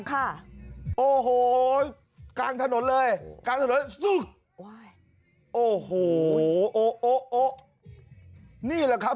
ค่ะโอ้โหกลางถนนเลยกลางถนนโอ้โหโอ้โหนี่แหละครับ